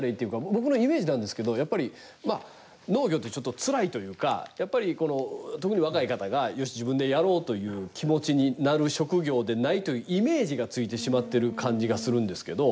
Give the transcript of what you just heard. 僕のイメージなんですけどやっぱりまあ農業ってちょっとつらいというかやっぱりこの特に若い方がよし自分でやろうという気持ちになる職業でないというイメージがついてしまってる感じがするんですけど。